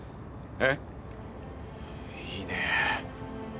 えっ？